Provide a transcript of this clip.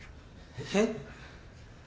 えっ？